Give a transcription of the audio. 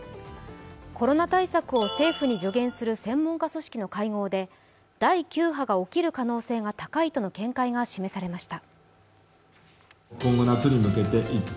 コロナ対策を政府に助言する専門家組織の会合で第９波が起きるとの可能性が高いとの見解が示されました。